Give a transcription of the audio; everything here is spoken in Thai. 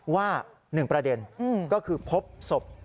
ว่า๑ประเด็นก็คือพบศพ